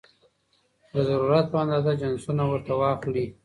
د ضرورت په اندازه جنسونه ورته واخلي